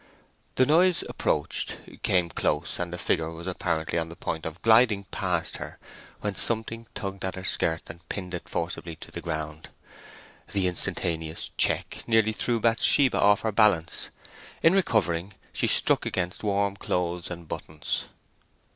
The noise approached, came close, and a figure was apparently on the point of gliding past her when something tugged at her skirt and pinned it forcibly to the ground. The instantaneous check nearly threw Bathsheba off her balance. In recovering she struck against warm clothes and buttons.